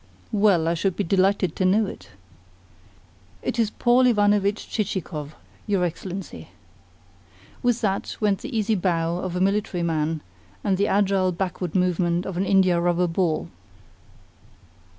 "Well, I should be delighted to know it." "It is Paul Ivanovitch Chichikov, your Excellency." With that went the easy bow of a military man and the agile backward movement of an india rubber ball.